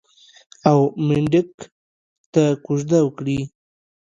او منډک ته کوژده وکړي.